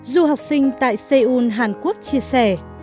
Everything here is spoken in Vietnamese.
du học sinh tại seoul hàn quốc chia sẻ